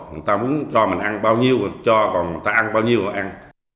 người ta muốn cho mình ăn bao nhiêu thì cho còn người ta ăn bao nhiêu thì ăn